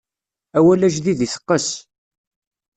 Awal ajdid iteqqes.